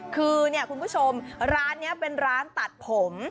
คือเนี่ยคุณผู้ชมร้านนี้เป็นร้านตัดผม